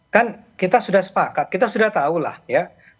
kan kita sudah sepakat kita sudah tahu lah ya